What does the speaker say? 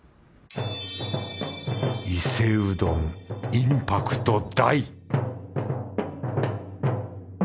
伊勢うどんインパクト大！